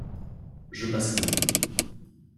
Je passe quand même